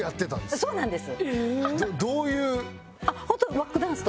そうなんですよ。